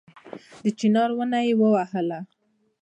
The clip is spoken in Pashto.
د چينار ونه يې ووهله